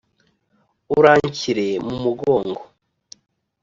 uranshyire mu mugongo